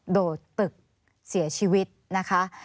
โดดตึกเสียชีวิตนะคะ